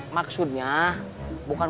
maaf saya belakangan